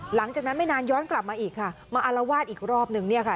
หลังจากนั้นไม่นานย้อนกลับมาอีกค่ะมาอารวาสอีกรอบนึงเนี่ยค่ะ